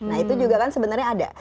nah itu juga kan sebenarnya ada